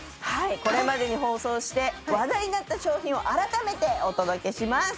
これまでに放送して話題になった商品を改めてお届けします。